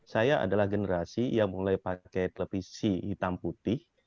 saya adalah generasi yang mulai pakai televisi hitam putih